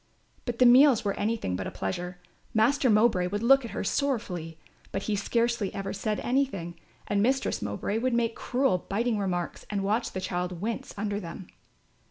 But the meals were anything but a pleasure. Master Mowbray would look at her sorrowfully, but he scarcely ever said anything, and Mistress Mowbray would make cruel biting remarks and watch the child wince under them.